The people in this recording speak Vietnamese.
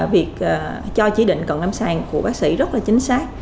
việc cho chỉ định cần ngắm sàng của bác sĩ rất là chính xác